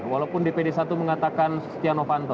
walaupun dpd satu mengatakan setia novanto